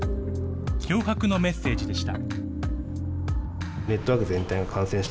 脅迫のメッセージでした。